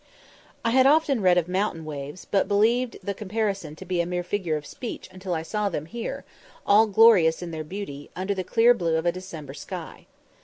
I had often read of mountain waves, but believed the comparison to be a mere figure of speech till I saw them here, all glorious in their beauty, under the clear blue of a December sky.